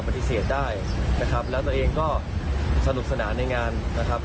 ปฏิเสธได้นะครับแล้วตัวเองก็สนุกสนานในงานนะครับ